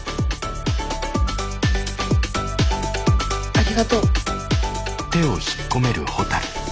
ありがとう。